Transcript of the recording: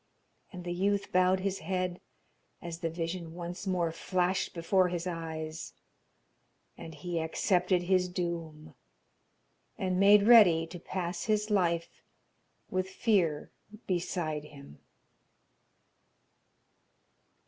And the youth bowed his head as the vision once more flashed before his eyes, and he accepted his doom, and made ready to pass his life with fear beside him.